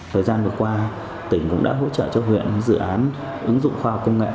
thời gian vừa qua tỉnh cũng đã hỗ trợ cho huyện dự án ứng dụng khoa học công nghệ